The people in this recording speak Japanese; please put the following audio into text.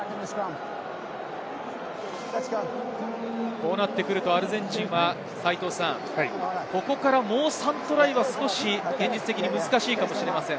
こうなってくるとアルゼンチンはここから、もう３トライは少し現実的に難しいかもしれません。